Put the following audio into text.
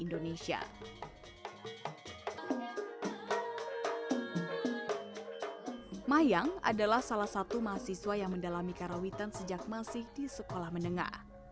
mayang adalah salah satu mahasiswa yang mendalami karawitan sejak masih di sekolah menengah